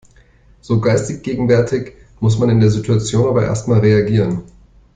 So geistesgegenwärtig muss man in der Situation aber erst mal reagieren.